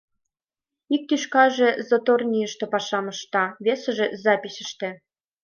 Ик тӱшкаже заторныйышто пашам ышта, весыже — записьыште.